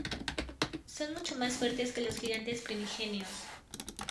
Son mucho más fuertes que los Gigantes Primigenios.